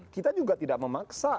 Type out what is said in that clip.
kita juga tidak memaksa